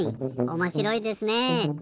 おもしろいですねえ。